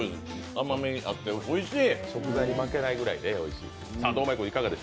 甘みがあっておいしい。